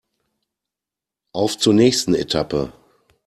Auf zur nächsten Etappe!